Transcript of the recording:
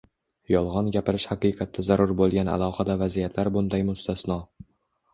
Yolg‘on gapirish haqiqatda zarur bo‘lgan alohida vaziyatlar bunday mustasno.